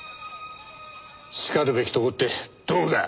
しかるべきとこってどこだ？